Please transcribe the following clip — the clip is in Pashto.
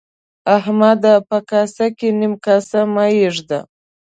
احمده! په کاسه کې نيمه کاسه مه اېږده.